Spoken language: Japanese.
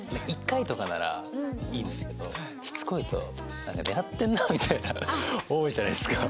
１回とかならいいんですけどしつこいとなんか狙ってんなみたいな思うじゃないですか。